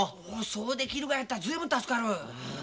そうできるがやったら随分助かる。